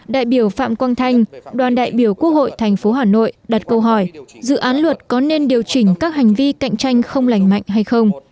đại biểu phạm quang thanh đoàn đại biểu quốc hội tp hà nội đặt câu hỏi dự án luật có nên điều chỉnh các hành vi cạnh tranh không lành mạnh hay không